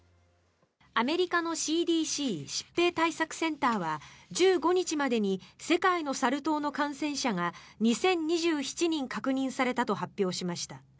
アメリカのＣＤＣ・疾病対策センターは１５日までに世界のサル痘の感染者が２０２７人確認されたと発表しました。